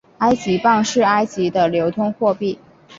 埃及镑是埃及的流通货币。